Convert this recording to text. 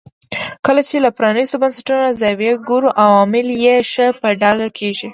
کله چې له پرانیستو بنسټونو زاویې ګورو عوامل یې ښه په ډاګه کېږي.